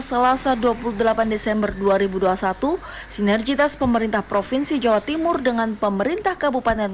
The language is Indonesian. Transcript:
selasa dua puluh delapan desember dua ribu dua puluh satu sinergitas pemerintah provinsi jawa timur dengan pemerintah kabupaten